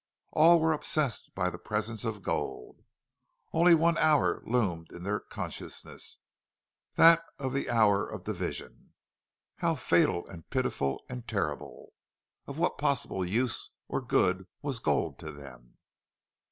All were obsessed by the presence of gold. Only one hour loomed in their consciousness that of the hour of division. How fatal and pitiful and terrible! Of what possible use or good was gold to them?